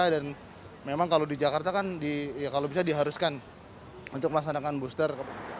dan memang kalau di jakarta kan kalau bisa diharuskan untuk memasang booster